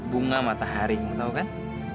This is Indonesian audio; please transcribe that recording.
bunga matahari kamu tahu kan